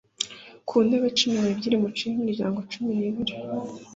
ku ntebe cumi n ebyiri mucire imiryango cumi n ibiri